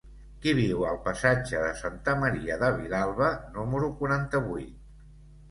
Qui viu al passatge de Santa Maria de Vilalba número quaranta-vuit?